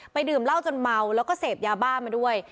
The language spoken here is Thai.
ดื่มเหล้าจนเมาแล้วก็เสพยาบ้ามาด้วย